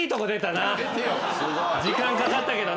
時間かかったけどな。